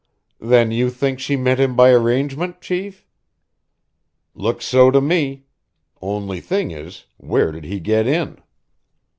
"Then you think she met him by arrangement, chief?" "Looks so to me. Only thing is, where did he get in?"